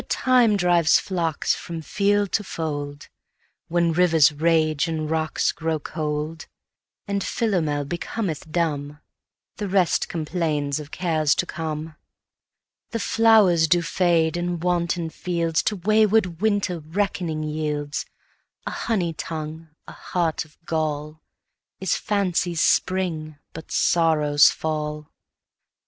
Time drives the flocks from field to fold, When rivers rage and rocks grow cold; And Philomel becometh dumb; The rest complains of cares to come. The flowers do fade, and wanton fields To wayward winter reckoning yields: A honey tongue, a heart of gall, Is fancy's spring, but sorrow's fall.